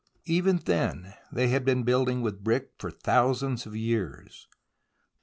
Even then they had been building with brick for thousands of years.